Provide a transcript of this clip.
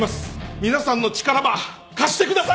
皆さんの力ば貸してください！